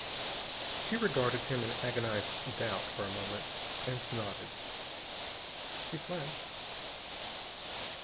She regarded him in agonized doubt for a moment, and nodded. She fled.